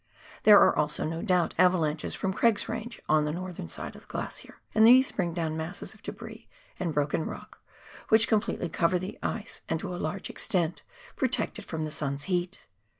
There are also, no doubt, avalanches from Craig's Range on the northern side of the glacier, and these bring down masses of debris and broken rock which completely cover the ice, and to a large extent protect it from the sun's heat.